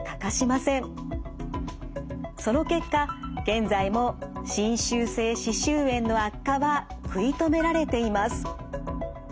その結果現在も侵襲性歯周炎の悪化は食い止められています。